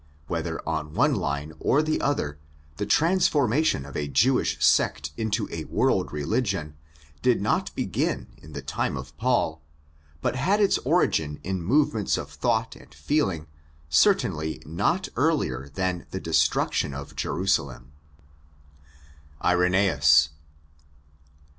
Whether on one line or the other, the transformation of a Jewish sect into a world religion did not begin in the time of Paul, but had its origin in movements of thought and feeling certainly not earlier than the destruction of Jerusalem. Ireneus.